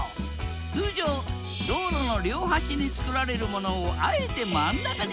通常道路の両端に造られるものをあえて真ん中に造った。